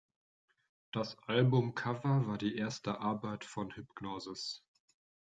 Das Albumcover war die erste Arbeit von Hipgnosis.